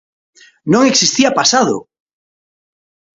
Non existía pasado!